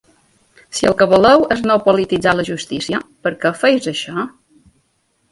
Si el que voleu és no polititzar la justícia, per què feu això?